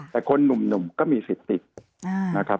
แต่คนหนุ่มก็มีสิทธิ์ติดนะครับ